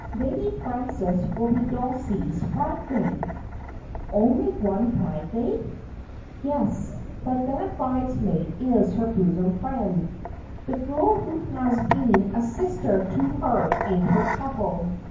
Lady Frances will be Dulcie's Li.Jesmaid.' ' Only one bridesmaid 1 '' Yes, but that bridesmaid is her bosom friend — the girl who has been a sister to her in her trouble.